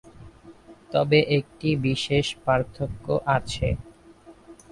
তবে একটি বিশেষ পার্থক্য় আছে।